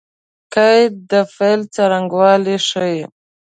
قید د فعل څرنګوالی ښيي.